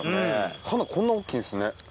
花こんな大っきいんですね。